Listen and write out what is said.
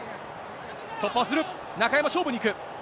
突破をする、中山、勝負に行く。